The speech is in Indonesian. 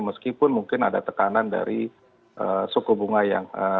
meskipun mungkin ada tekanan dari suku bunga yang